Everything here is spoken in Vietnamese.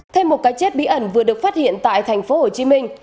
thêm một cái chết bí ẩn vừa được phát hiện tại thành phố hồ chí minh